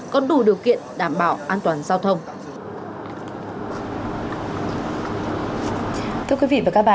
có đủ điều kiện đảm bảo an toàn giao thông